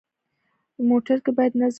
موټر کې باید نظم وي.